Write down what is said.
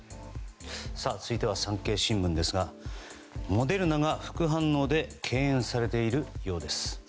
続いては産経新聞ですがモデルナが副反応で敬遠されているそうです。